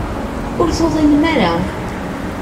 Ur tuḍinem ara.